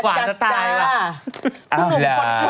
ใครว่าแหน่มเปรี้ยวหวานจะตาย